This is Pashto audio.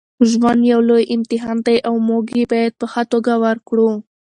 ژوند یو لوی امتحان دی او موږ یې باید په ښه توګه ورکړو.